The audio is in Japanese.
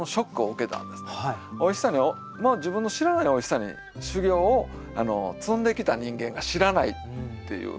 おいしさに自分の知らないおいしさに修業を積んできた人間が知らないっていう。